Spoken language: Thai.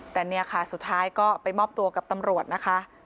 แต่เนี่ยค่ะสุดท้ายก็ไปมอบตัวกับตำรวจนะคะ